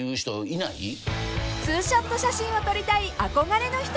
［２ショット写真を撮りたい憧れの人］